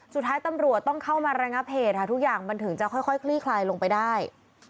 สุดท้ายตำรวจต้องเข้ามาระงับเหตุค่ะทุกอย่างมันถึงจะค่อยคลี่คลายลงไปได้